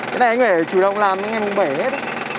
cái này anh phải chủ động làm ngay mùng bảy hết